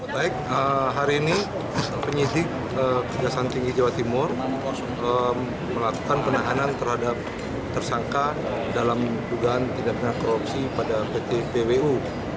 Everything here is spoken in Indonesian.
baik hari ini penyidik kejaksaan tinggi jawa timur melakukan penahanan terhadap tersangka dalam dugaan tidak benar korupsi pada pt pwu